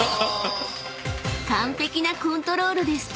［完璧なコントロールで］